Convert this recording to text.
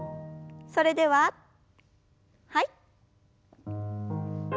それでははい。